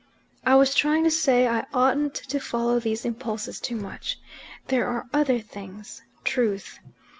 "I was trying to say, I oughtn't to follow these impulses too much. There are others things. Truth.